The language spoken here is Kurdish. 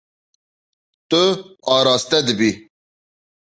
Tu araste dibî.